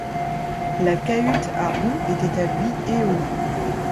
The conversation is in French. La cahute à roues était à lui et au loup.